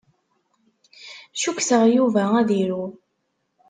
Cukkteɣ Yuba ad iru.